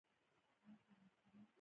مچمچۍ له خپل مورال نه نه اوړي